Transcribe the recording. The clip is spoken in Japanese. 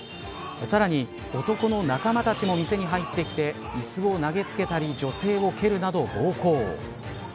さらに男の仲間たちも店に入ってきて椅子を投げつけたり女性を蹴るなど暴行。